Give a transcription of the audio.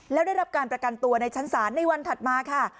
แล้วได้รับการประกันตัวในชั้นศาลในวันถัดมาค่ะ